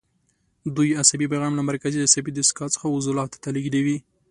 دوی عصبي پیغام له مرکزي عصبي دستګاه څخه عضلاتو ته لېږدوي.